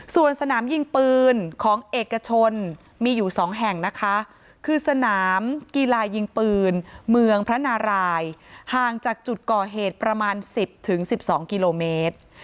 ส่วนสนามยิงปืนของเอกชนมีอยู่๒แห่งนะคะคือสนามกีฬายิงปืนเมืองพระนารายห่างจากจุดก่อเหตุประมาณ๑๐๑๒กิโลเมตร